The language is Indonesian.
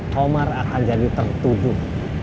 komar akan jadi tertuduh